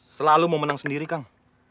selalu mau menang sendiri kang